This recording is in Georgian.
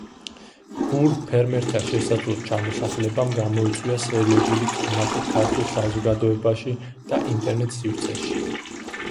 ბურ ფერმერთა შესაძლო ჩამოსახლებამ გამოიწვია სერიოზული კამათი ქართულ საზოგადოებაში და ინტერნეტ სივრცეში.